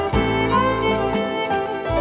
สวัสดีค่ะ